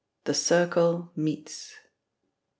— THE CIRCLE MEETS MR.